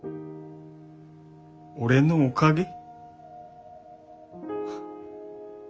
俺のおかげ？